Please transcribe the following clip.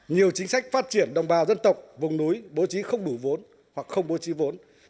nhiều chính sách phát triển đồng bào dân tộc vùng núi bố trí không đủ vốn hoặc không bố trí vốn